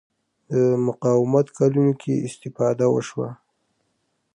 د مقاومت کلونو کې استفاده وشوه